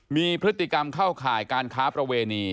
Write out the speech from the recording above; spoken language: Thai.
มีพฤติกรรมเข้าข่ายการค้าประเวณี